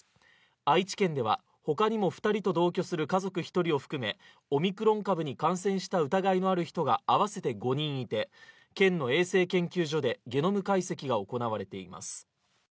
愛知県では他にも２人と同居する家族１人を含めオミクロン株に感染した疑いのある人が合わせて５人いて、県の衛生研究所でゲノム解析が行われています。